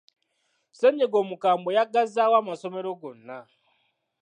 Ssennyiga omukamwe yaggazaawo amasomero gonna.